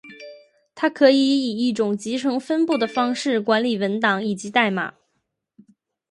它可以以一种集成分布的方式管理文档以及代码。